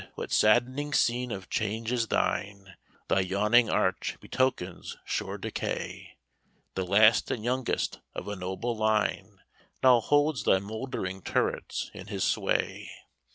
what saddening scene of change is thine, Thy yawning arch betokens sure decay: The last and youngest of a noble line, Now holds thy mouldering turrets in his sway.